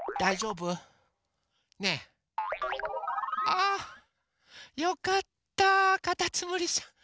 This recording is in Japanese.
あよかったかたつむりさん。